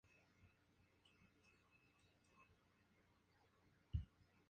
Bill Chambers escribió muchas de las canciones.